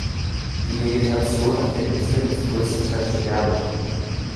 Die Vegetation auf den Inseln ist größtenteils spärlich.